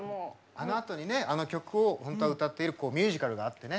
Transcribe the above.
あのあとにねあの曲を本当は歌っているミュージカルがあってね。